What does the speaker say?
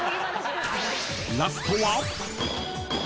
［ラストは］